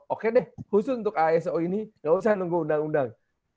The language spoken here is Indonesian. oke deh khusus untuk aso ini gak usah nunggu undang undang